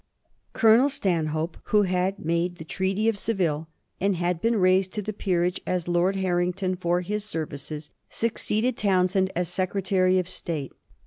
Colonel Stanhope, who had made the Treaty of Seville, and had been raised to the peerage as Lord Harrington for his services, succeeded Townshend as Secretary of State.